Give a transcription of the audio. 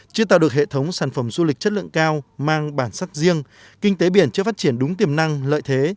chưa tạo được hệ thống sản phẩm du lịch chất lượng cao mang bản sắc riêng kinh tế biển chưa phát triển đúng tiềm năng lợi thế